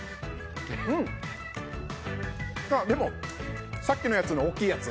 でも、さっきのやつの大きいやつ。